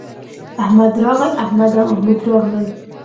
احمد راغی، احمد او محمود راغلل